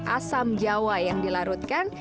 asam jawa yang dilarutkan